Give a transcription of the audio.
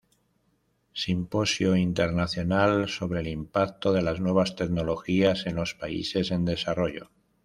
Simposio Internacional sobre el Impacto de las Nuevas Tecnologías en los Países en desarrollo.